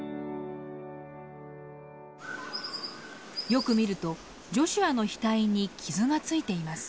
よく見るとジョシュアの額に傷がついています。